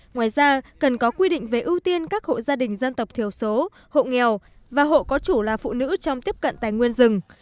ngoài ra cần có quy định về ưu tiên các hộ gia đình dân tộc thiểu số hộ nghèo và hộ có chủ là phụ nữ trong tiếp cận tài nguyên rừng